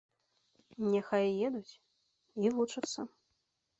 Няхай едуць і вучацца.